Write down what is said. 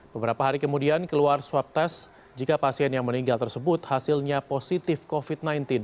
beberapa hari kemudian keluar swab test jika pasien yang meninggal tersebut hasilnya positif covid sembilan belas